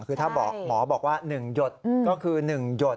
คือถ้าหมอบอกว่า๑หยดก็คือ๑หยด